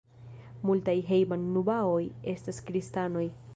Multaj hejban-nubaoj estas kristanoj.